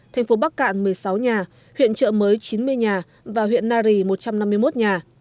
thành phố bắc cạn một mươi sáu nhà huyện trợ mới chín mươi nhà và huyện nari một trăm năm mươi một nhà